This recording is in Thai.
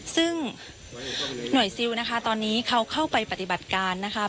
ซึ่งหน่วยซิลนะคะตอนนี้เขาเข้าไปปฏิบัติการนะคะ